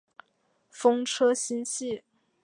风车星系。